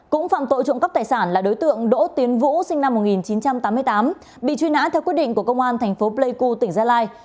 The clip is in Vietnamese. cũng phạm tội trộm cắp tài sản là đối tượng đỗ tiến vũ sinh năm một nghìn chín trăm tám mươi tám bị truy nã theo quyết định của công an thành phố pleiku tỉnh gia lai